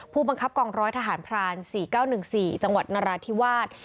ผู้บังคับกองร้อยทหารพราน๔๙๑๔จังหวัดนราธิวาส